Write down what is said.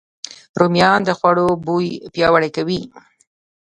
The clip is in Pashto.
رومیان د خوړو بوی پیاوړی کوي